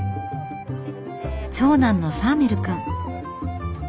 長男のサーメルくん。